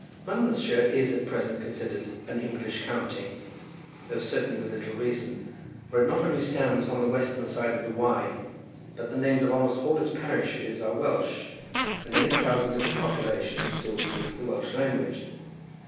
Monmouthshire is at present considered an English county, though certainly with little reason, for it not only stands on the western side of the Wye, but the names of almost all its parishes are Welsh, and many thousands of its population still speak the Welsh language.